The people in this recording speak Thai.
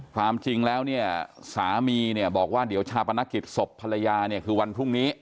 ความจริงแล้วเนี่ยสามีเนี่ยบอกว่าเดี๋ยวชาปนกิจศพภรรยาเนี่ยคือวันพรุ่งนี้